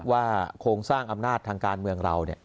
โครงสร้างอำนาจทางการเมืองเรา